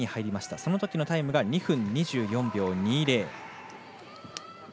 そのときのタイムが２分２４秒２０。